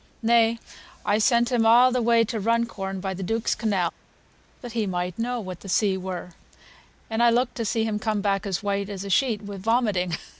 Nay, I sent him a' the way to Runcorn by th' Duke's canal, that he might know what th' sea were; and I looked to see him come back as white as a sheet wi' vomiting.